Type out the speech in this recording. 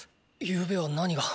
ゆうべは何が？